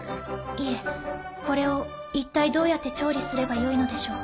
いえこれを一体どうやって調理すればよいのでしょう？